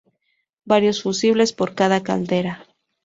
Varios fusibles por cada caldera.